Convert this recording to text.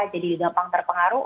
jadi gampang terpengaruh